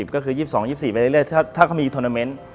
ก็คือ๒๒๔ไปเรื่อยถ้าเขามีทวนาเมนต์